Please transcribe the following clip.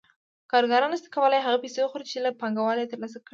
کارګران نشي کولای هغه پیسې وخوري چې له پانګوال یې ترلاسه کوي